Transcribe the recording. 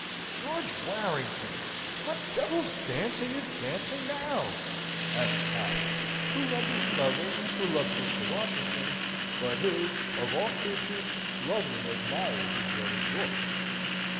"George Warrington! what devil's dance are you dancing now?" asked Harry, who loved his mother, who loved Mr. Washington, but who, of all creatures, loved and admired his brother George.